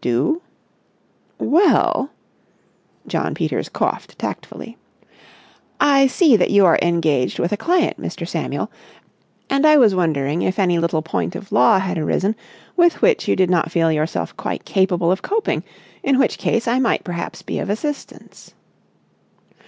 "Do?" "Well—"—Jno. Peters coughed tactfully—"I see that you are engaged with a client, Mr. Samuel, and I was wondering if any little point of law had arisen with which you did not feel yourself quite capable of coping, in which case I might perhaps be of assistance."